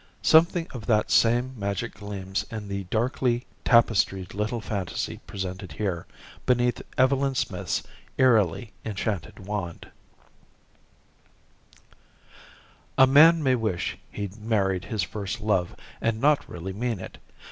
Something of that same magic gleams in the darkly tapestried little fantasy presented here, beneath Evelyn Smith's eerily enchanted wand._ the doorway by ... Evelyn E. Smith A man may wish he'd married his first love and not really mean it.